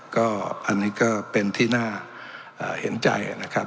ก็อันนี้ก็เป็นที่น่าเห็นใจนะครับ